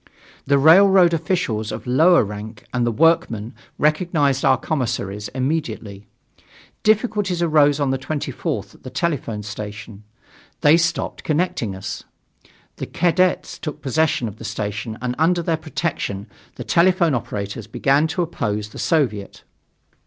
The railroad officials of lower rank and the workmen recognized our commissaries immediately. Difficulties arose on the 24th at the telephone station. They stopped connecting us. The cadets took possession of the station and under their protection the telephone operators began to oppose the Soviet.